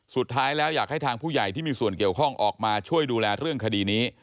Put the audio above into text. สุดท้ายแล้วอยากให้ทางผู้ใหญ่ที่มีส่วนเกี่ยวข้องออกมาช่วยดูแลเรื่องคดีนี้